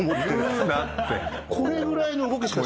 これぐらいの動きしか。